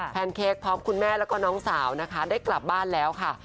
แนนเค้กพร้อมคุณแม่แล้วก็น้องสาวนะคะได้กลับบ้านแล้วค่ะ